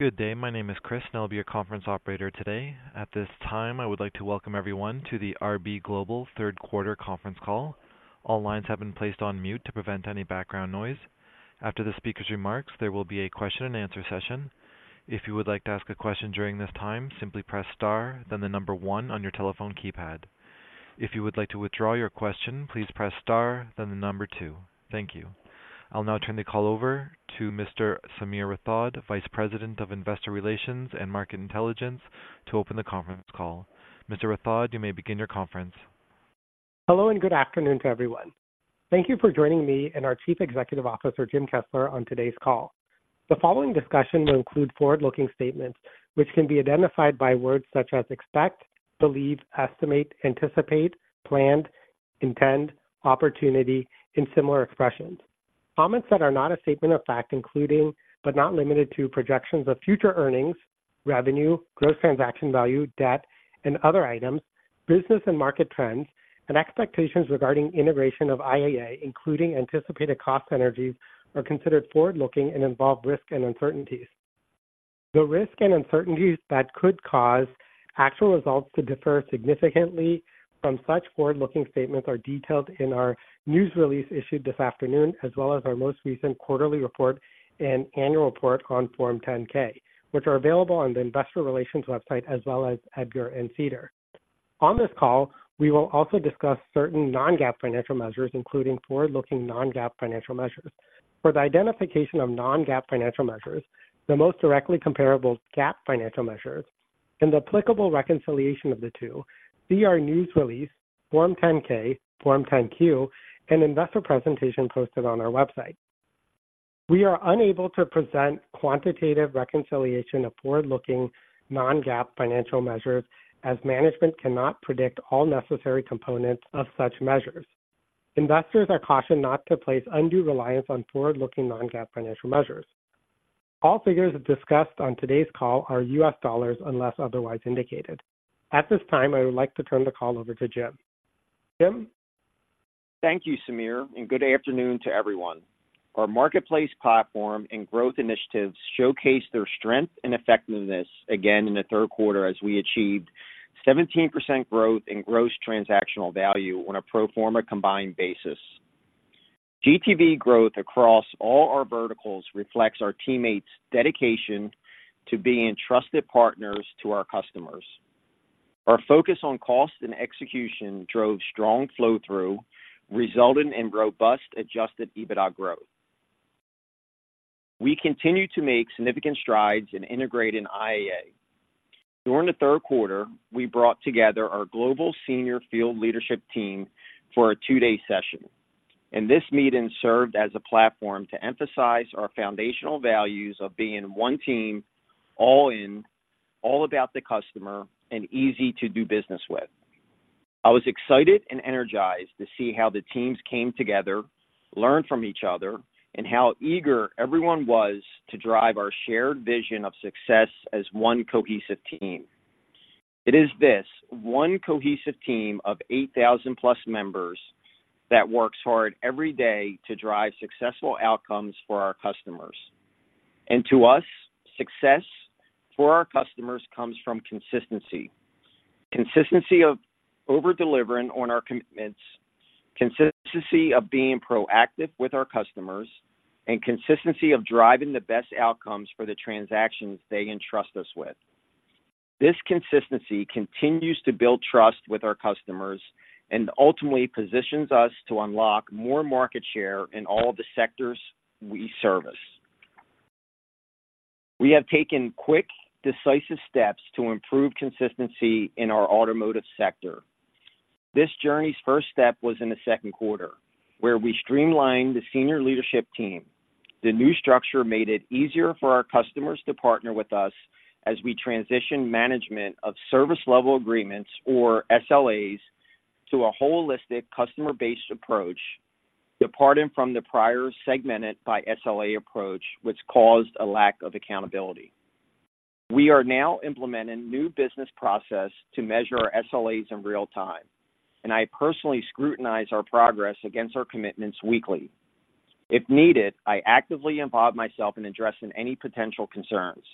Good day. My name is Chris, and I'll be your conference operator today. At this time, I would like to welcome everyone to the RB Global Third Quarter Conference Call. All lines have been placed on mute to prevent any background noise. After the speaker's remarks, there will be a question-and-answer session. If you would like to ask a question during this time, simply press star, then the number one on your telephone keypad. If you would like to withdraw your question, please press star, then the number two. Thank you. I'll now turn the call over to Mr. Sameer Rathod, Vice President of Investor Relations and Market Intelligence, to open the conference call. Mr. Rathod, you may begin your conference. Hello, and good afternoon to everyone. Thank you for joining me and our Chief Executive Officer, Jim Kessler, on today's call. The following discussion will include forward-looking statements, which can be identified by words such as expect, believe, estimate, anticipate, planned, intend, opportunity, and similar expressions. Comments that are not a statement of fact, including but not limited to, projections of future earnings, revenue, gross transaction value, debt, and other items, business and market trends, and expectations regarding integration of IAA, including anticipated cost synergies, are considered forward-looking and involve risk and uncertainties. The risk and uncertainties that could cause actual results to differ significantly from such forward-looking statements are detailed in our news release issued this afternoon, as well as our most recent quarterly report and annual report on Form 10-K, which are available on the investor relations website as well as EDGAR and SEDAR. On this call, we will also discuss certain non-GAAP financial measures, including forward-looking non-GAAP financial measures. For the identification of non-GAAP financial measures, the most directly comparable GAAP financial measures, and the applicable reconciliation of the two, see our news release, Form 10-K, Form 10-Q, and investor presentation posted on our website. We are unable to present quantitative reconciliation of forward-looking non-GAAP financial measures as management cannot predict all necessary components of such measures. Investors are cautioned not to place undue reliance on forward-looking non-GAAP financial measures. All figures discussed on today's call are U.S. dollars, unless otherwise indicated. At this time, I would like to turn the call over to Jim. Jim? Thank you, Sameer, and good afternoon to everyone. Our marketplace platform and growth initiatives showcase their strength and effectiveness again in the third quarter, as we achieved 17% growth in gross transactional value on a pro forma combined basis. GTV growth across all our verticals reflects our teammates' dedication to being trusted partners to our customers. Our focus on cost and execution drove strong flow-through, resulting in robust adjusted EBITDA growth. We continue to make significant strides in integrating IAA. During the third quarter, we brought together our global senior field leadership team for a two-day session, and this meeting served as a platform to emphasize our foundational values of being one team, all in, all about the customer, and easy to do business with. I was excited and energized to see how the teams came together, learned from each other, and how eager everyone was to drive our shared vision of success as one cohesive team. It is this one cohesive team of 8,000+ members that works hard every day to drive successful outcomes for our customers. And to us, success for our customers comes from consistency. Consistency of over-delivering on our commitments, consistency of being proactive with our customers, and consistency of driving the best outcomes for the transactions they entrust us with. This consistency continues to build trust with our customers and ultimately positions us to unlock more market share in all the sectors we service. We have taken quick, decisive steps to improve consistency in our automotive sector. This journey's first step was in the second quarter, where we streamlined the senior leadership team. The new structure made it easier for our customers to partner with us as we transition management of service level agreements, or SLAs, to a holistic customer-based approach, departing from the prior segmented by SLA approach, which caused a lack of accountability. We are now implementing new business process to measure our SLAs in real time, and I personally scrutinize our progress against our commitments weekly. If needed, I actively involve myself in addressing any potential concerns.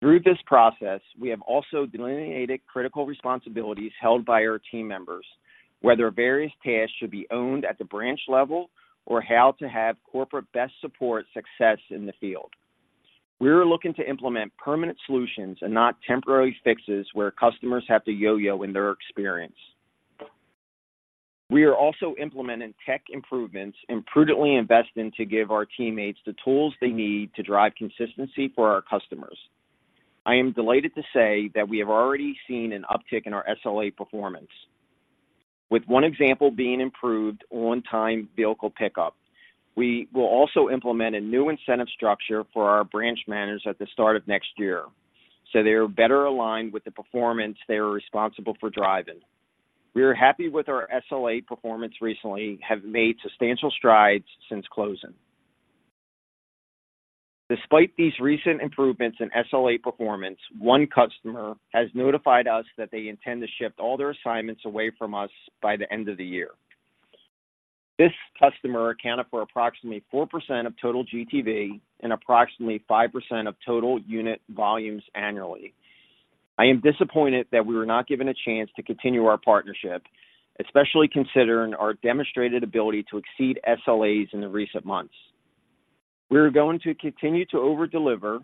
Through this process, we have also delineated critical responsibilities held by our team members, whether various tasks should be owned at the branch level or how to have corporate best support success in the field. We are looking to implement permanent solutions and not temporary fixes where customers have to yo-yo in their experience. We are also implementing tech improvements and prudently investing to give our teammates the tools they need to drive consistency for our customers. I am delighted to say that we have already seen an uptick in our SLA performance, with one example being improved on-time vehicle pickup. We will also implement a new incentive structure for our branch managers at the start of next year, so they are better aligned with the performance they are responsible for driving. We are happy with our SLA performance recently, have made substantial strides since closing. Despite these recent improvements in SLA performance, one customer has notified us that they intend to shift all their assignments away from us by the end of the year. This customer accounted for approximately 4% of total GTV and approximately 5% of total unit volumes annually. I am disappointed that we were not given a chance to continue our partnership, especially considering our demonstrated ability to exceed SLAs in the recent months. We are going to continue to over-deliver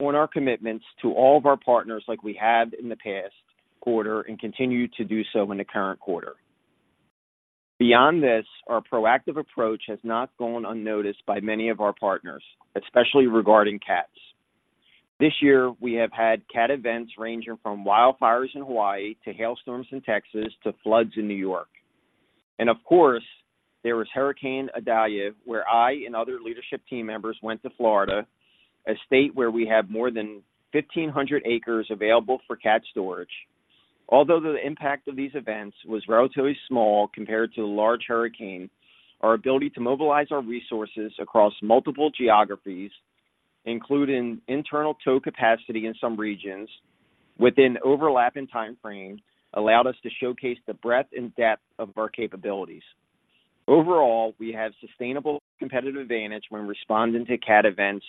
on our commitments to all of our partners, like we have in the past quarter and continue to do so in the current quarter. Beyond this, our proactive approach has not gone unnoticed by many of our partners, especially regarding CATs. This year, we have had CAT events ranging from wildfires in Hawaii to hailstorms in Texas to floods in New York. And of course, there was Hurricane Idalia, where I and other leadership team members went to Florida, a state where we have more than 1,500 acres available for CAT storage. Although the impact of these events was relatively small compared to the large hurricane, our ability to mobilize our resources across multiple geographies, including internal tow capacity in some regions within overlapping timeframes, allowed us to showcase the breadth and depth of our capabilities. Overall, we have sustainable competitive advantage when responding to CAT events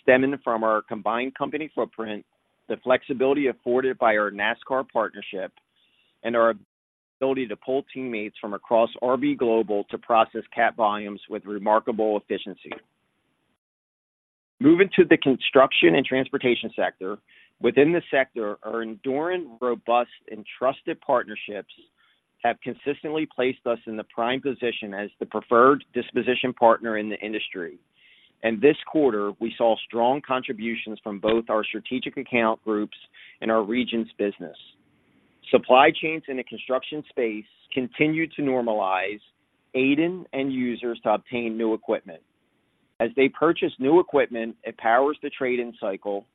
stemming from our combined company footprint, the flexibility afforded by our NASCAR partnership, and our ability to pull teammates from across RB Global to process CAT volumes with remarkable efficiency. Moving to the construction and transportation sector. Within the sector, our enduring, robust, and trusted partnerships have consistently placed us in the prime position as the preferred disposition partner in the industry. This quarter, we saw strong contributions from both our strategic account groups and our regions business. Supply chains in the construction space continued to normalize, aiding end users to obtain new equipment. As they purchase new equipment, it powers the trade-in cycle,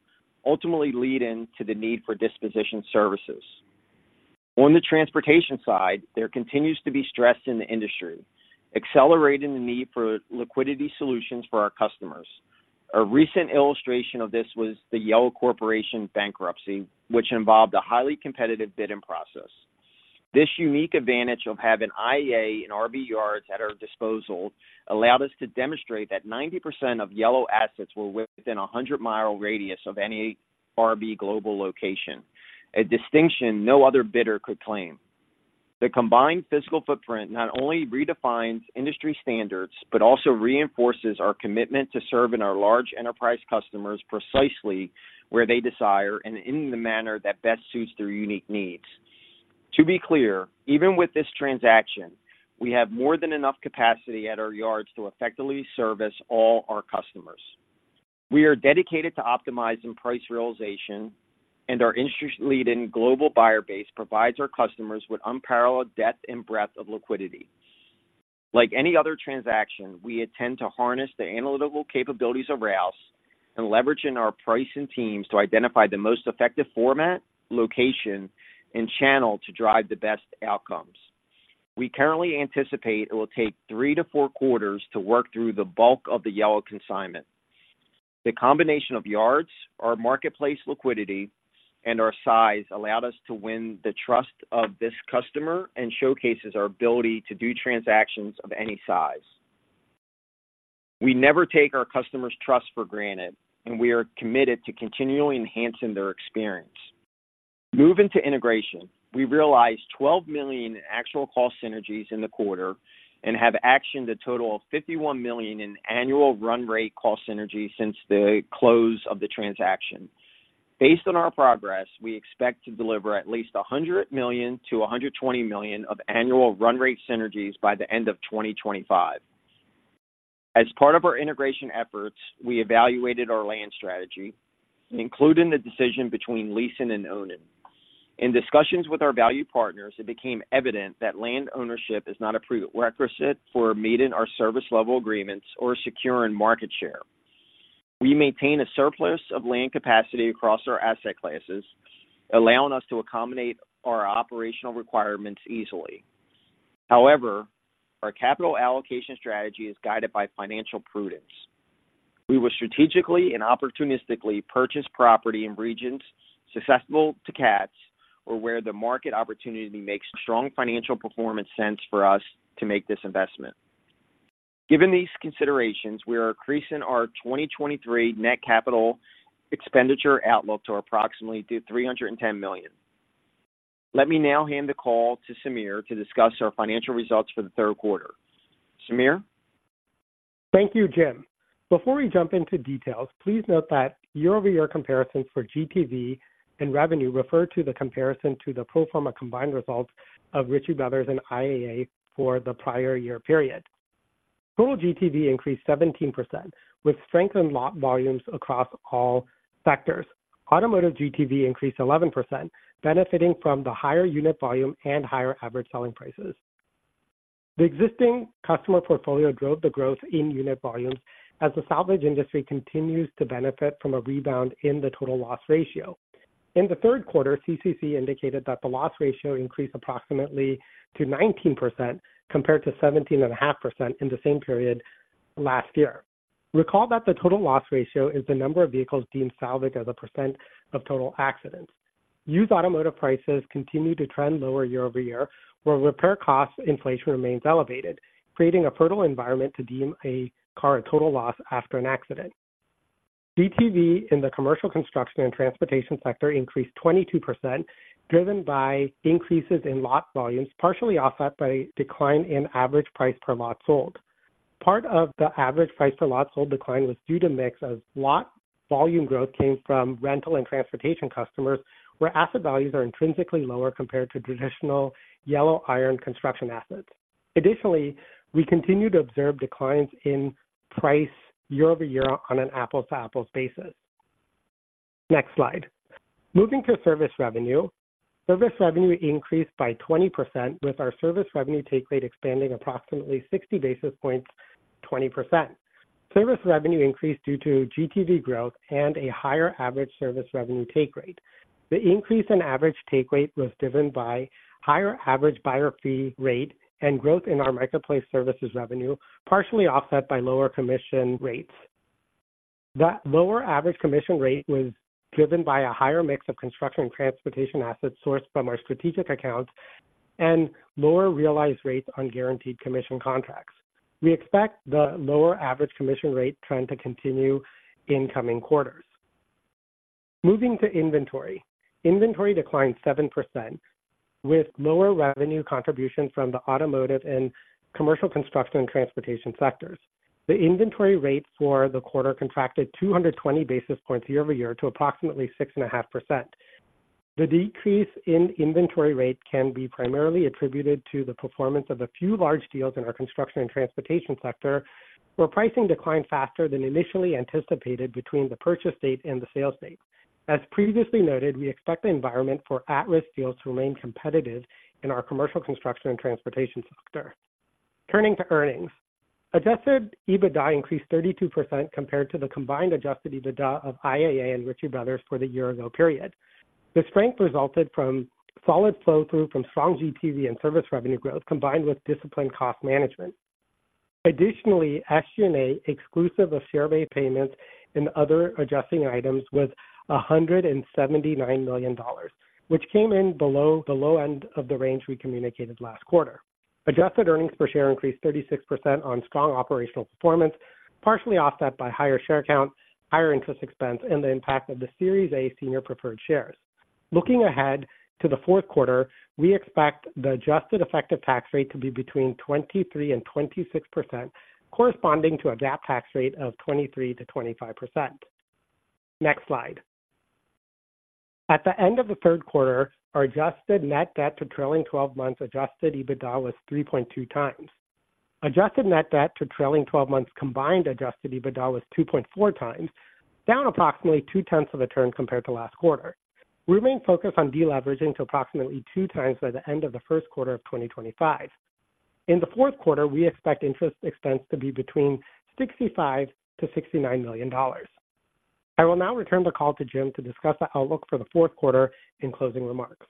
ultimately leading to the need for disposition services. On the transportation side, there continues to be stress in the industry, accelerating the need for liquidity solutions for our customers. A recent illustration of this was the Yellow Corporation bankruptcy, which involved a highly competitive bidding process. This unique advantage of having IAA and RB yards at our disposal allowed us to demonstrate that 90% of Yellow assets were within a 100-mile radius of any RB Global location, a distinction no other bidder could claim. The combined physical footprint not only redefines industry standards, but also reinforces our commitment to serving our large enterprise customers precisely where they desire and in the manner that best suits their unique needs. To be clear, even with this transaction, we have more than enough capacity at our yards to effectively service all our customers. We are dedicated to optimizing price realization, and our industry-leading global buyer base provides our customers with unparalleled depth and breadth of liquidity. Like any other transaction, we intend to harness the analytical capabilities of Rouse and leveraging our pricing teams to identify the most effective format, location, and channel to drive the best outcomes. We currently anticipate it will take 3-4 quarters to work through the bulk of the Yellow consignment. The combination of yards, our marketplace liquidity, and our size allowed us to win the trust of this customer and showcases our ability to do transactions of any size. We never take our customers' trust for granted, and we are committed to continually enhancing their experience. Moving to integration, we realized $12 million in actual cost synergies in the quarter and have actioned a total of $51 million in annual run-rate cost synergies since the close of the transaction. Based on our progress, we expect to deliver at least $100 million-$120 million of annual run-rate synergies by the end of 2025. As part of our integration efforts, we evaluated our land strategy, including the decision between leasing and owning. In discussions with our valued partners, it became evident that land ownership is not a prerequisite for meeting our service level agreements or securing market share. We maintain a surplus of land capacity across our asset classes, allowing us to accommodate our operational requirements easily. However, our capital allocation strategy is guided by financial prudence. We will strategically and opportunistically purchase property in regions susceptible to CATs or where the market opportunity makes strong financial performance sense for us to make this investment. Given these considerations, we are increasing our 2023 net capital expenditure outlook to approximately $310 million. Let me now hand the call to Sameer to discuss our financial results for the third quarter. Sameer? Thank you, Jim. Before we jump into details, please note that year-over-year comparisons for GTV and revenue refer to the comparison to the pro forma combined results of Ritchie Brothers and IAA for the prior year period. Total GTV increased 17%, with strengthened lot volumes across all sectors. Automotive GTV increased 11%, benefiting from the higher unit volume and higher average selling prices. The existing customer portfolio drove the growth in unit volumes as the salvage industry continues to benefit from a rebound in the total loss ratio. In the third quarter, CCC indicated that the loss ratio increased approximately to 19%, compared to 17.5% in the same period last year. Recall that the total loss ratio is the number of vehicles deemed salvaged as a percent of total accidents. Used automotive prices continue to trend lower year-over-year, where repair cost inflation remains elevated, creating a fertile environment to deem a car a total loss after an accident. GTV in the commercial construction and transportation sector increased 22%, driven by increases in lot volumes, partially offset by a decline in average price per lot sold. Part of the average price per lot sold decline was due to mix of lot volume growth came from rental and transportation customers, where asset values are intrinsically lower compared to traditional yellow iron construction assets. Additionally, we continue to observe declines in price year-over-year on an apples-to-apples basis. Next slide. Moving to service revenue. Service revenue increased by 20%, with our service revenue take rate expanding approximately 60 basis points, 20%. Service revenue increased due to GTV growth and a higher average service revenue take rate. The increase in average take rate was driven by higher average buyer fee rate and growth in our marketplace services revenue, partially offset by lower commission rates. That lower average commission rate was driven by a higher mix of construction and transportation assets sourced from our strategic accounts and lower realized rates on guaranteed commission contracts. We expect the lower average commission rate trend to continue in coming quarters. Moving to inventory. Inventory declined 7%, with lower revenue contribution from the automotive, and commercial construction and transportation sectors. The inventory rate for the quarter contracted 220 basis points year-over-year to approximately 6.5%. The decrease in inventory rate can be primarily attributed to the performance of a few large deals in our construction and transportation sector, where pricing declined faster than initially anticipated between the purchase date and the sales date. As previously noted, we expect the environment for at-risk deals to remain competitive in our commercial construction and transportation sector. Turning to earnings. Adjusted EBITDA increased 32% compared to the combined adjusted EBITDA of IAA and Ritchie Brothers for the year-ago period. The strength resulted from solid flow-through from strong GTV and service revenue growth, combined with disciplined cost management. Additionally, SG&A, exclusive of share-based payments and other adjusting items, was $179 million, which came in below the low end of the range we communicated last quarter. Adjusted earnings per share increased 36% on strong operational performance, partially offset by higher share count, higher interest expense, and the impact of the Series A Senior Preferred Shares. Looking ahead to the fourth quarter, we expect the adjusted effective tax rate to be between 23% and 26%, corresponding to a GAAP tax rate of 23%-25%. Next slide. At the end of the third quarter, our adjusted net debt to trailing 12 months adjusted EBITDA was 3.2x. Adjusted net debt to trailing twelve months combined adjusted EBITDA was 2.4x, down approximately 0.2 of a turn compared to last quarter. We remain focused on deleveraging to approximately 2x by the end of the first quarter of 2025. In the fourth quarter, we expect interest expense to be between $65 million-$69 million. I will now return the call to Jim to discuss the outlook for the fourth quarter and closing remarks.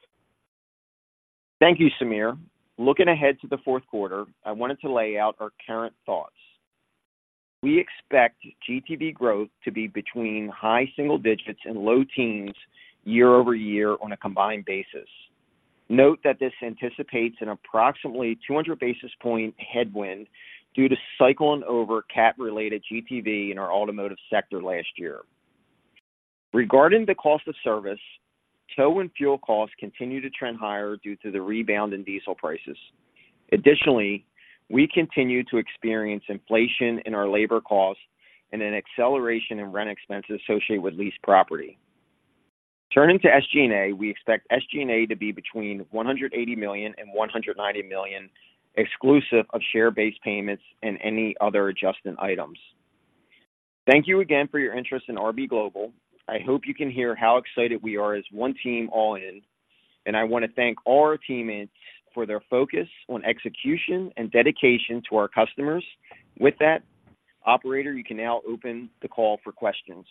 Thank you, Sameer. Looking ahead to the fourth quarter, I wanted to lay out our current thoughts. We expect GTV growth to be between high single digits and low teens year-over-year on a combined basis. Note that this anticipates an approximately 200 basis points headwind due to cycling over CAT-related GTV in our automotive sector last year. Regarding the cost of service, tow and fuel costs continue to trend higher due to the rebound in diesel prices. Additionally, we continue to experience inflation in our labor costs and an acceleration in rent expenses associated with leased property. Turning to SG&A, we expect SG&A to be between $180 million and $190 million, exclusive of share-based payments and any other adjustment items. Thank you again for your interest in RB Global. I hope you can hear how excited we are as one team all in, and I want to thank all our teammates for their focus on execution and dedication to our customers. With that, operator, you can now open the call for questions.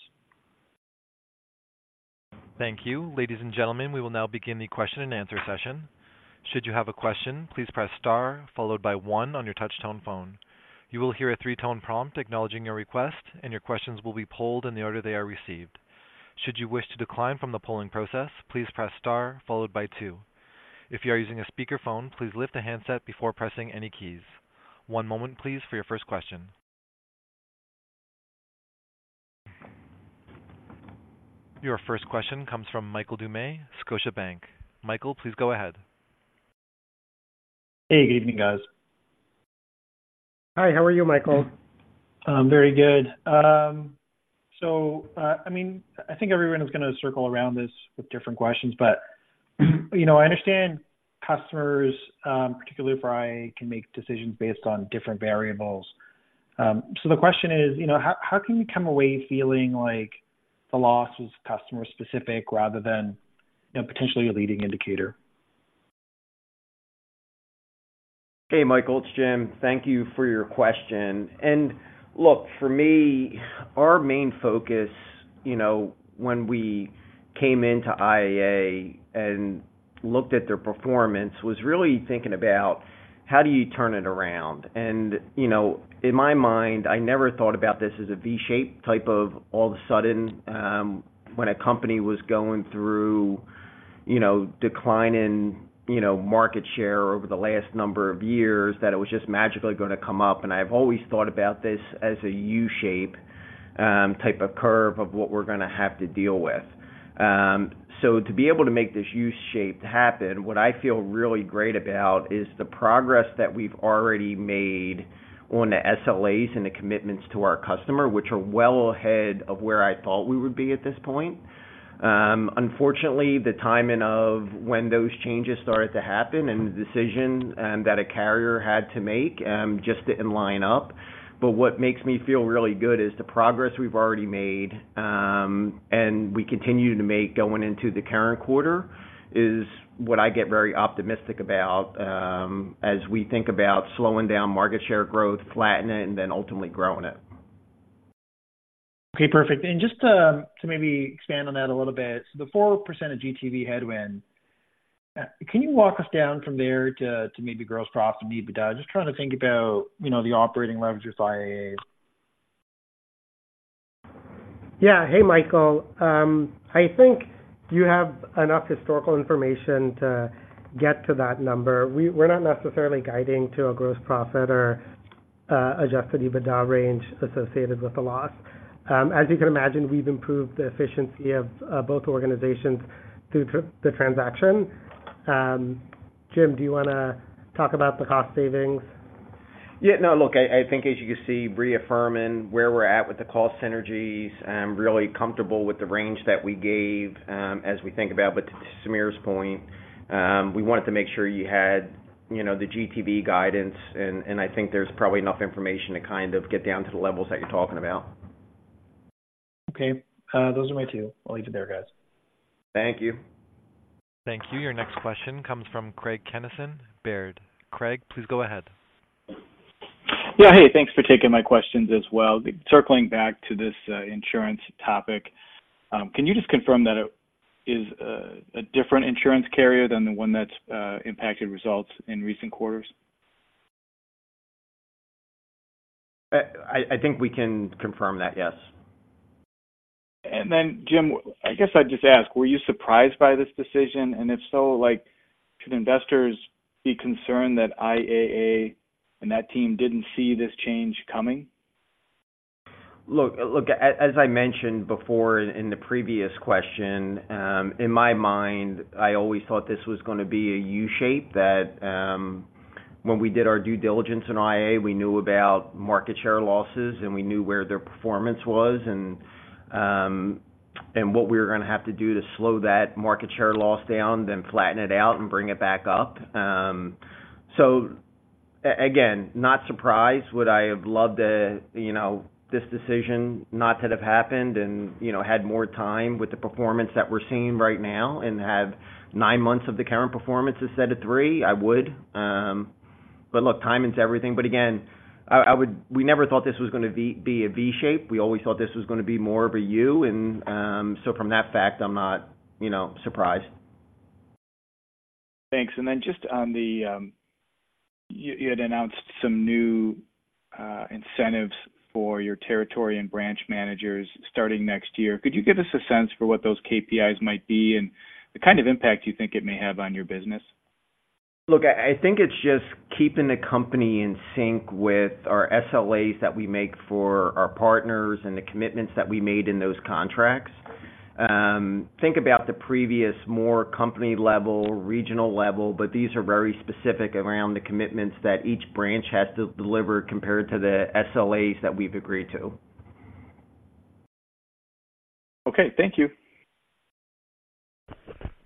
Thank you. Ladies and gentlemen, we will now begin the question and answer session. Should you have a question, please press star followed by one on your touch-tone phone. You will hear a three-tone prompt acknowledging your request, and your questions will be polled in the order they are received. Should you wish to decline from the polling process, please press star followed by two. If you are using a speakerphone, please lift the handset before pressing any keys. One moment, please, for your first question. Your first question comes from Michael Doumet, Scotiabank. Michael, please go ahead. Hey, good evening, guys. Hi, how are you, Michael? Very good. I mean, I think everyone is going to circle around this with different questions, but, you know, I understand customers, particularly if I can make decisions based on different variables. The question is, you know, how can you come away feeling like the loss was customer specific rather than, you know, potentially a leading indicator? Hey, Michael, it's Jim. Thank you for your question. Look, for me, our main focus, you know, when we came into IAA and looked at their performance, was really thinking about how do you turn it around? And, you know, in my mind, I never thought about this as a V-shaped type of all of a sudden, when a company was going through, you know, decline in, you know, market share over the last number of years, that it was just magically going to come up. And I've always thought about this as a U-shape, type of curve of what we're going to have to deal with. So to be able to make this U-shape happen, what I feel really great about is the progress that we've already made on the SLAs and the commitments to our customer, which are well ahead of where I thought we would be at this point. Unfortunately, the timing of when those changes started to happen and the decision, that a carrier had to make, just didn't line up. But what makes me feel really good is the progress we've already made, and we continue to make going into the current quarter, is what I get very optimistic about, as we think about slowing down market share growth, flattening it, and then ultimately growing it. Okay, perfect. And just to maybe expand on that a little bit, the 4% GTV headwind, can you walk us down from there to maybe gross profit and EBITDA? Just trying to think about, you know, the operating leverage of IAA. Yeah. Hey, Michael. I think you have enough historical information to get to that number. We're not necessarily guiding to a gross profit or adjusted EBITDA range associated with the loss. As you can imagine, we've improved the efficiency of both organizations through the transaction. Jim, do you want to talk about the cost savings? Yeah. No, look, I think as you can see, reaffirming where we're at with the cost synergies, I'm really comfortable with the range that we gave, as we think about. But to Sameer's point, we wanted to make sure you had, you know, the GTV guidance, and I think there's probably enough information to kind of get down to the levels that you're talking about. Okay. Those are my two. I'll leave it there, guys. Thank you. Thank you. Your next question comes from Craig Kennison, Baird. Craig, please go ahead. Yeah. Hey, thanks for taking my questions as well. Circling back to this, insurance topic, can you just confirm that it is a different insurance carrier than the one that's impacted results in recent quarters? I think we can confirm that, yes. Then, Jim, I guess I'd just ask, were you surprised by this decision? And if so, like, should investors be concerned that IAA and that team didn't see this change coming? Look, look, as I mentioned before in the previous question, in my mind, I always thought this was going to be a U-shape. That, when we did our due diligence in IAA, we knew about market share losses, and we knew where their performance was, and what we were going to have to do to slow that market share loss down, then flatten it out and bring it back up. So again, not surprised. Would I have loved it, you know, this decision not to have happened and, you know, had more time with the performance that we're seeing right now and have nine months of the current performance instead of three? I would. But look, timing is everything. But again, I would--we never thought this was going to be a V-shape. We always thought this was going to be more of a U. And, so from that fact, I'm not, you know, surprised. Thanks. And then just on the, you had announced some new incentives for your territory and branch managers starting next year. Could you give us a sense for what those KPIs might be and the kind of impact you think it may have on your business? Look, I think it's just keeping the company in sync with our SLAs that we make for our partners and the commitments that we made in those contracts. Think about the previous, more company-level, regional level, but these are very specific around the commitments that each branch has to deliver compared to the SLAs that we've agreed to. Okay, thank you.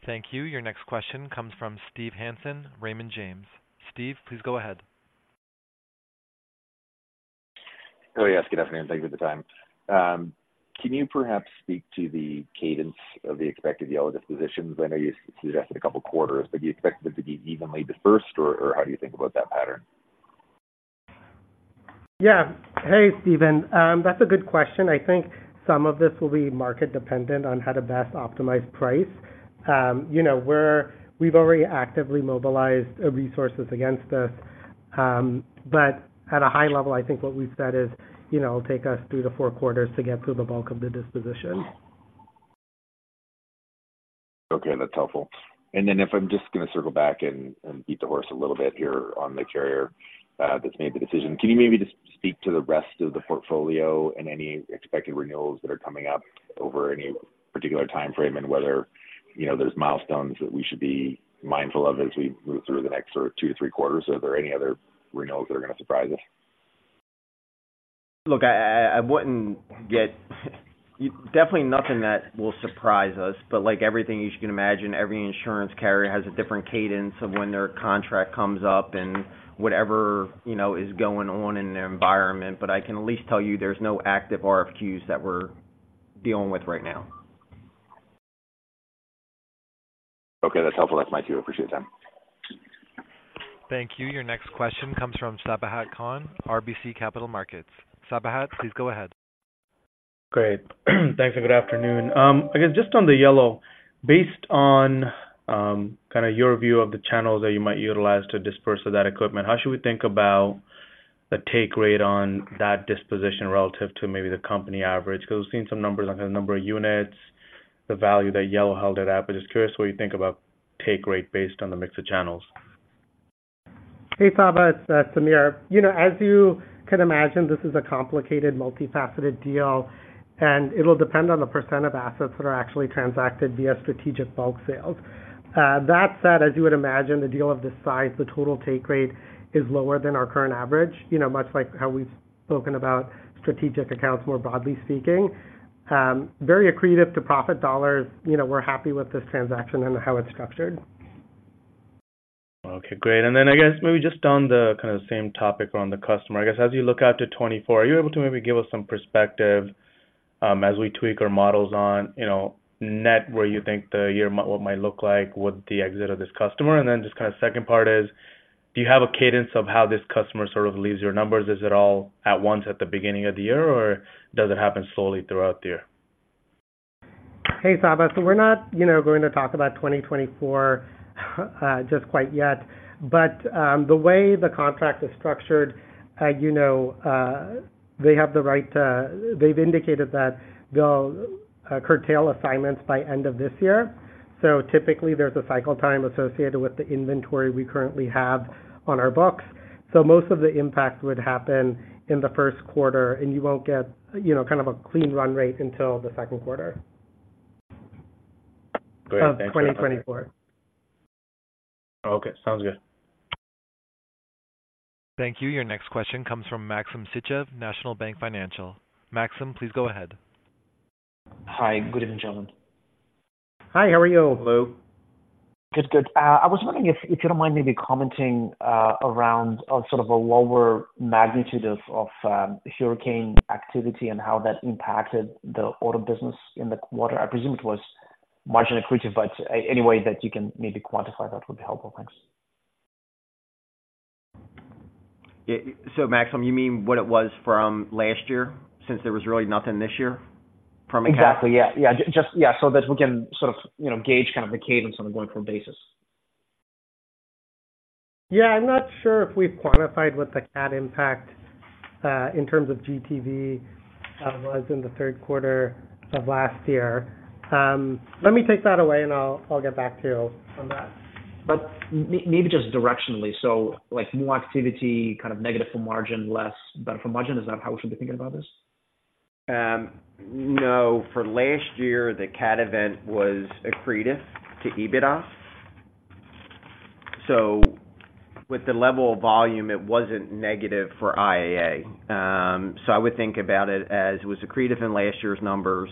Thank you. Your next question comes from Steve Hansen, Raymond James. Steve, please go ahead. Oh, yes. Good afternoon. Thank you for the time. Can you perhaps speak to the cadence of the expected yield dispositions? I know you suggested a couple of quarters, but do you expect them to be evenly dispersed, or how do you think about that pattern? Yeah. Hey, Steven. That's a good question. I think some of this will be market dependent on how to best optimize price. You know, we've already actively mobilized resources against this. But at a high level, I think what we've said is, you know, it'll take us through the four quarters to get through the bulk of the disposition. Okay, that's helpful. And then if I'm just going to circle back and beat the horse a little bit here on the carrier that's made the decision. Can you maybe just speak to the rest of the portfolio and any expected renewals that are coming up over any particular timeframe, and whether, you know, there's milestones that we should be mindful of as we move through the next two to three quarters? Are there any other renewals that are going to surprise us? Look, I wouldn't get. Definitely nothing that will surprise us, but like everything, you can imagine, every insurance carrier has a different cadence of when their contract comes up, and whatever, you know, is going on in their environment. But I can at least tell you there's no active RFQs that we're dealing with right now. Okay, that's helpful. That's my two. I appreciate the time. Thank you. Your next question comes from Sabahat Khan, RBC Capital Markets. Sabahat, please go ahead. Great. Thanks, and good afternoon. I guess just on the Yellow, based on kind of your view of the channels that you might utilize to dispose of that equipment, how should we think about the take rate on that disposition relative to maybe the company average? Because we've seen some numbers on the number of units, the value that Yellow held it at, but just curious what you think about take rate based on the mix of channels. Hey, Sabahat, Sameer. You know, as you can imagine, this is a complicated, multifaceted deal, and it'll depend on the percent of assets that are actually transacted via strategic bulk sales. That said, as you would imagine, a deal of this size, the total take rate is lower than our current average, you know, much like how we've spoken about strategic accounts, more broadly speaking. Very accretive to profit dollars. You know, we're happy with this transaction and how it's structured. Okay, great. And then I guess maybe just on the kind of same topic on the customer, I guess as you look out to 2024, are you able to maybe give us some perspective, as we tweak our models on, you know, net, where you think the year might look like with the exit of this customer? And then just kind of second part is, do you have a cadence of how this customer sort of leaves your numbers? Is it all at once at the beginning of the year, or does it happen slowly throughout the year? Hey, Sabahat. So we're not, you know, going to talk about 2024 just quite yet. But the way the contract is structured, you know, they have the right to--they've indicated that they'll curtail assignments by end of this year. So typically, there's a cycle time associated with the inventory we currently have on our books, so most of the impact would happen in the first quarter, and you won't get, you know, kind of a clean run rate until the second quarter-- Great. Thank you. --of 2024. Okay. Sounds good. Thank you. Your next question comes from Maxim Sytchev, National Bank Financial. Maxim, please go ahead. Hi. Good evening, gentlemen. Hi, how are you, Maxim? Good, good. I was wondering if you don't mind maybe commenting around on sort of a lower magnitude of hurricane activity and how that impacted the auto business in the quarter. I presume it was marginally accretive, but any way that you can maybe quantify that would be helpful. Thanks. Yeah. So, Maxim, you mean what it was from last year since there was really nothing this year from a cat-- Exactly. Yeah. Just, yeah, so that we can sort of, you know, gauge kind of the cadence on a going-forward basis. Yeah. I'm not sure if we've quantified what the CAT impact in terms of GTV was in the third quarter of last year. Let me take that away, and I'll get back to you on that. But maybe just directionally, so, like, more activity, kind of negative for margin, less better for margin. Is that how we should be thinking about this? No. For last year, the CAT event was accretive to EBITDA. So with the level of volume, it wasn't negative for IAA. So I would think about it as it was accretive in last year's numbers,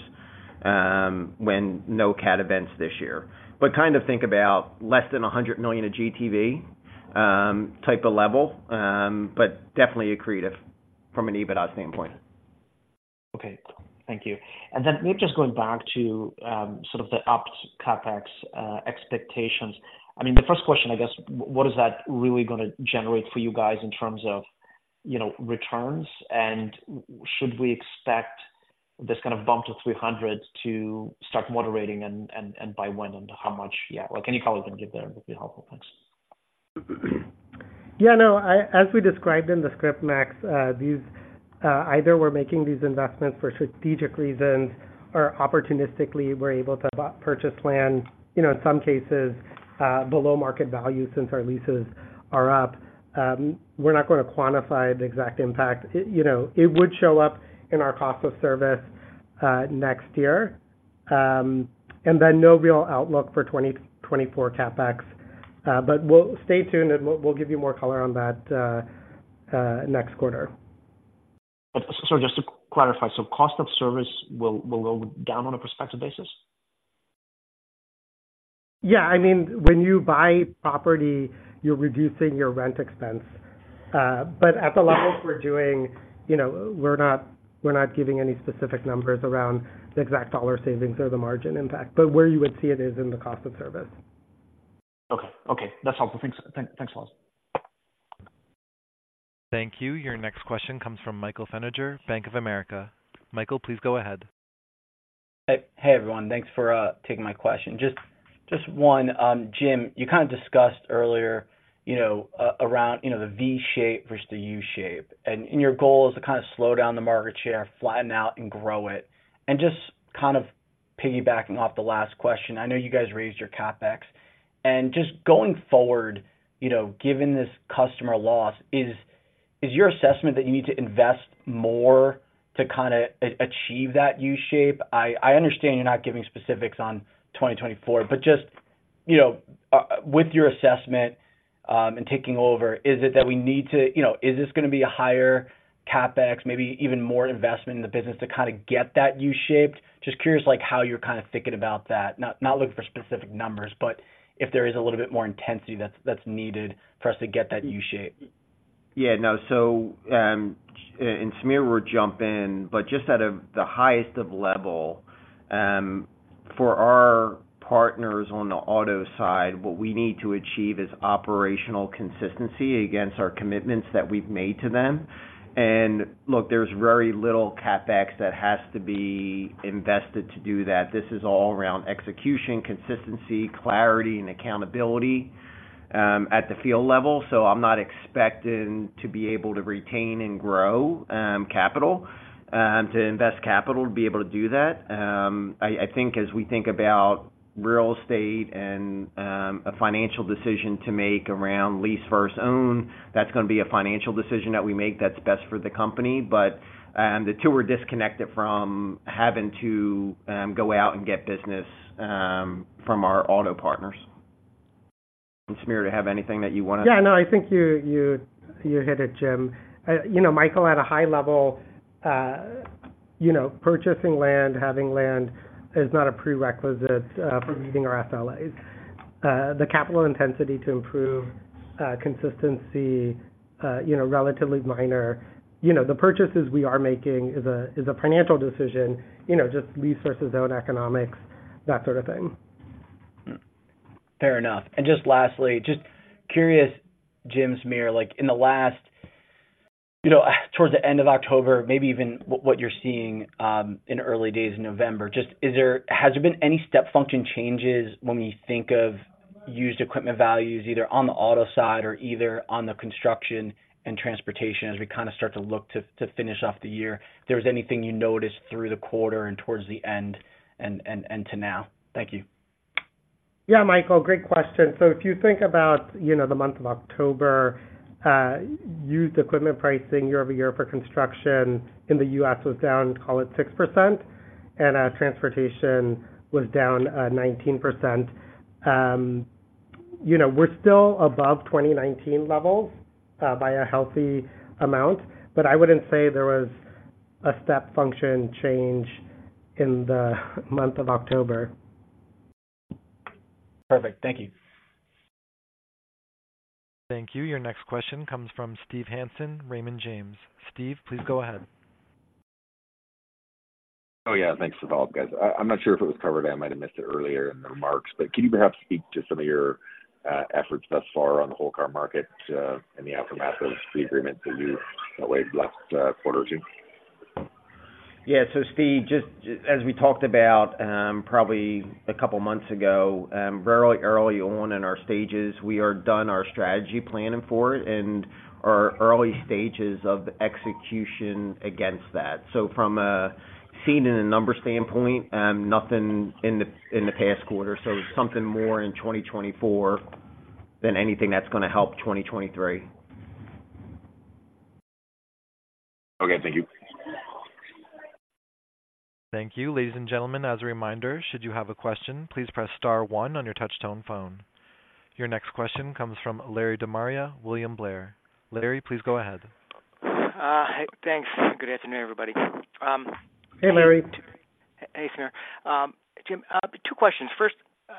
when no CAT events this year. But kind of think about less than $100 million of GTV, type of level, but definitely accretive from an EBITDA standpoint. Okay. Thank you. And then maybe just going back to, sort of the ops CapEx expectations. I mean, the first question, I guess, what is that really gonna generate for you guys in terms of, you know, returns? And should we expect this kind of bump to 300 to start moderating, and by when and how much? Yeah, like, any color you can give there would be helpful. Thanks. Yeah, no, as we described in the script, Max, these, either we're making these investments for strategic reasons or opportunistically we're able to purchase land, you know, in some cases, below market value since our leases are up. We're not going to quantify the exact impact. You know, it would show up in our cost of service, next year. And then no real outlook for 2024 CapEx, but we'll stay tuned, and we'll give you more color on that, next quarter. But so just to clarify, so cost of service will go down on a prospective basis? Yeah. I mean, when you buy property, you're reducing your rent expense. But at the levels we're doing, you know, we're not giving any specific numbers around the exact dollar savings or the margin impact, but where you would see it is in the cost of service. Okay, that's helpful. Thanks a lot. Thank you. Your next question comes from Michael Feniger, Bank of America. Michael, please go ahead. Hey, everyone. Thanks for taking my question. Just one, Jim, you kind of discussed earlier, you know, around, you know, the V shape versus the U shape, and your goal is to kind of slow down the market share, flatten out, and grow it. And just kind of piggybacking off the last question, I know you guys raised your CapEx. And just going forward, you know, given this customer loss, is your assessment that you need to invest more to kind of achieve that U shape? I understand you're not giving specifics on 2024, but just, you know, with your assessment, and taking over, is it that we need to, you know, is this gonna be a higher CapEx, maybe even more investment in the business to kind of get that U shape? Just curious, like, how you're kind of thinking about that. Not looking for specific numbers, but if there is a little bit more intensity that's needed for us to get that U shape. Yeah, no. So, and Sameer will jump in, but just at the highest level, for our partners on the auto side, what we need to achieve is operational consistency against our commitments that we've made to them. And look, there's very little CapEx that has to be invested to do that. This is all around execution, consistency, clarity, and accountability at the field level. So I'm not expecting to be able to retain and grow capital to invest capital to be able to do that. I think as we think about real estate and a financial decision to make around lease versus own, that's gonna be a financial decision that we make that's best for the company. But the two are disconnected from having to go out and get business from our auto partners. Sameer, to have anything that you want to- Yeah, no, I think you hit it, Jim. You know, Michael, at a high level, you know, purchasing land, having land is not a prerequisite for meeting our SLAs. The capital intensity to improve consistency, you know, relatively minor. You know, the purchases we are making is a financial decision, you know, just lease versus own economics, that sort of thing. Fair enough. And just lastly, just curious, Jim, Sameer, like in the last, you know, towards the end of October, maybe even what you're seeing in early days in November, just is there, has there been any step function changes when we think of used equipment values, either on the auto side or either on the construction and transportation, as we kind of start to look to finish off the year? If there's anything you noticed through the quarter and towards the end and to now? Thank you. Yeah, Michael, great question. So if you think about, you know, the month of October, used equipment pricing year-over-year for construction in the U.S. was down, call it 6%, and transportation was down 19%. You know, we're still above 2019 levels by a healthy amount, but I wouldn't say there was a step function change in the month of October. Perfect. Thank you. Thank you. Your next question comes from Steve Hansen, Raymond James. Steve, please go ahead. Oh, yeah. Thanks to both of you guys. I'm not sure if it was covered. I might have missed it earlier in the remarks, but can you perhaps speak to some of your efforts thus far on the whole car market in the aftermath of the agreement that you weighed last quarter or two? Yeah. So Steve, just as we talked about, probably a couple of months ago, very early on in our stages, we are done our strategy planning for it and are early stages of execution against that. So from a spending and number standpoint, nothing in the past quarter, so something more in 2024 than anything that's gonna help 2023. Okay, thank you. Thank you. Ladies and gentlemen, as a reminder, should you have a question, please press star one on your touch tone phone. Your next question comes from Larry De Maria, William Blair. Larry, please go ahead. Hey, thanks, and good afternoon, everybody. Hey, Larry. Hey, Sameer. Jim, two questions. First,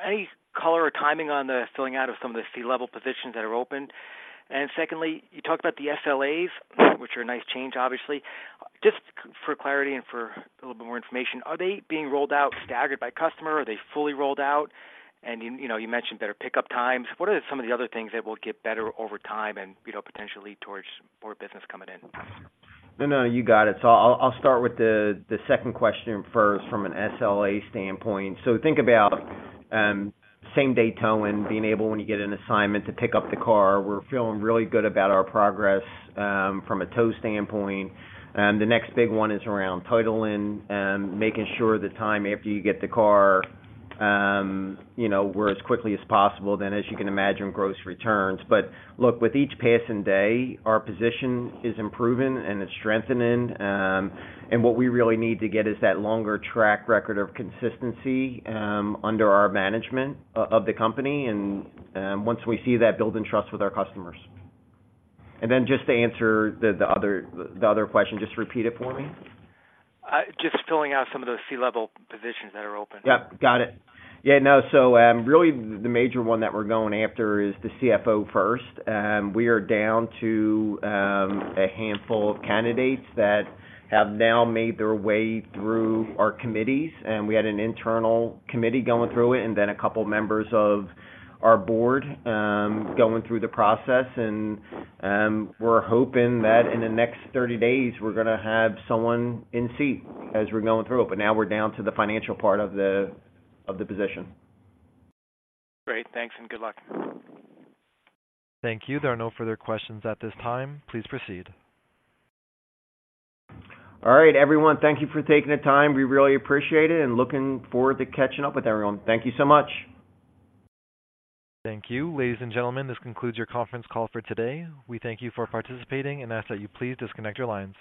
any color or timing on the filling out of some of the C-level positions that are open? And secondly, you talked about the SLAs, which are a nice change, obviously. Just for clarity and for a little bit more information, are they being rolled out staggered by customer? Are they fully rolled out? And, you know, you mentioned better pickup times. What are some of the other things that will get better over time and, you know, potentially lead towards more business coming in? No, no, you got it. So I'll start with the second question first from an SLA standpoint. So think about same-day towing, being able, when you get an assignment, to pick up the car. We're feeling really good about our progress from a tow standpoint. The next big one is around titling and making sure the time after you get the car, you know, we're as quickly as possible, then, as you can imagine, gross returns. But look, with each passing day, our position is improving, and it's strengthening. And what we really need to get is that longer track record of consistency under our management of the company, and once we see that, building trust with our customers. And then just to answer the other question, just repeat it for me. Just filling out some of those C-level positions that are open. Yeah, got it. Yeah, no. So, really, the major one that we're going after is the CFO first. We are down to a handful of candidates that have now made their way through our committees, and we had an internal committee going through it, and then a couple of members of our board going through the process. And, we're hoping that in the next 30 days, we're gonna have someone in seat as we're going through. But now we're down to the financial part of the position. Great. Thanks, and good luck. Thank you. There are no further questions at this time. Please proceed. All right, everyone, thank you for taking the time. We really appreciate it, and looking forward to catching up with everyone. Thank you so much. Thank you. Ladies and gentlemen, this concludes your conference call for today. We thank you for participating and ask that you please disconnect your lines.